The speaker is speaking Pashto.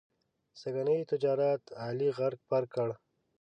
سږني تجارت علي غرق پرق کړ.